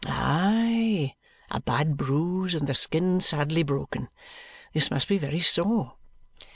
"Aye! A bad bruise, and the skin sadly broken. This must be very sore."